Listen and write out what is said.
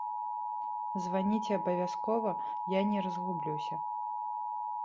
Званіце абавязкова, я не разгублюся.